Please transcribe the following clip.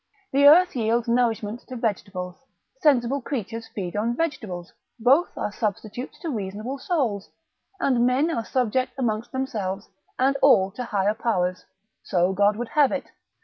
The earth yields nourishment to vegetables, sensible creatures feed on vegetables, both are substitutes to reasonable souls, and men are subject amongst themselves, and all to higher powers, so God would have it.